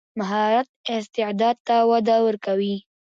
مهارت استعداد ته وده ورکوي.